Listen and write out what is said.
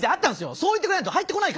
そう言ってくれないと入ってこないから！